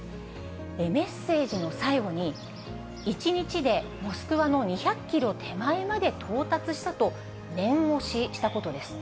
メッセージの最後に、１日でモスクワの２００キロ手前まで到達したと念押ししたことです。